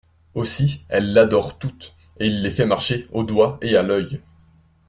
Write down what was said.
Aussi, elles l'adorent toutes, et il les fait marcher au doigt et à l'oeil …